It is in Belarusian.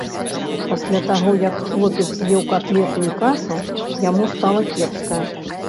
Пасля таго як хлопец з'еў катлету і кашу, яму стала кепска.